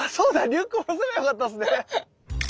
リュックを下ろせばよかったっすね。